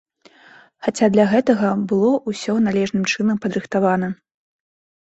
Хаця для гэтага было ўсё належным чынам падрыхтавана.